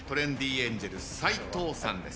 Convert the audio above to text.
エンジェル斎藤さんです。